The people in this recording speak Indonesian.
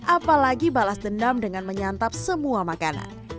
apalagi balas dendam dengan menyantap semua makanan